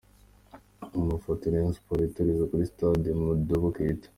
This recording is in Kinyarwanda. Mu mafoto, Rayon Sports yitoreza kuri Stade Modibo Keita.